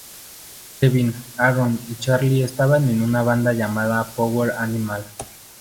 Kevin, Aaron y Charlie estaban en una banda llamada Power Animal.